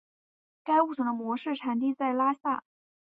该物种的模式产地在拉萨。